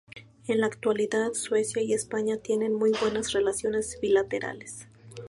En la actualidad, Suecia y España tienen muy buenas relaciones bilaterales.